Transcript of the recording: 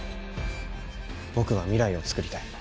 僕は未来をつくりたい。